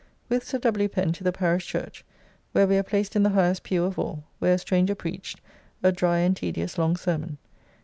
With Sir W. Pen to the parish church, where we are placed in the highest pew of all, where a stranger preached a dry and tedious long sermon.